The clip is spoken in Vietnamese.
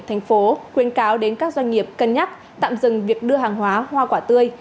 thành phố khuyên cáo đến các doanh nghiệp cân nhắc tạm dừng việc đưa hàng hóa hoa quả tươi